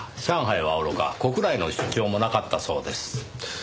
上海はおろか国内の出張もなかったそうです。